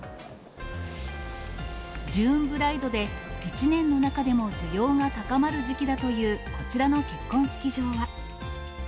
ジューンブライドで、１年の中でも需要が高まる時期だという、こちらの結婚式場は。